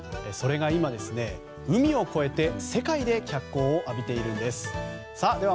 それが今、海を越えて世界で脚光を浴びているんです。